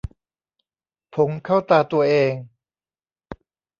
ผงเข้าตาตัวเอง